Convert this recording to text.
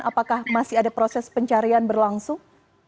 apakah masih ada proses pencarian berlangsung